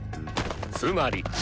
つまり。